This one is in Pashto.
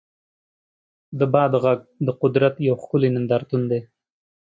د باد غږ د قدرت یو ښکلی نندارتون دی.